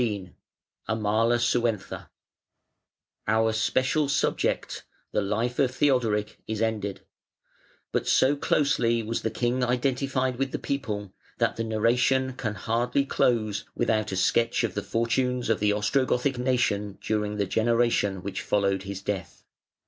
[Illustration: O] Our special subject, the life of Theodoric, is ended, but so closely was the king identified with the people that the narration can hardly close without a sketch of the fortunes of the Ostrogothic nation during the generation which followed his death.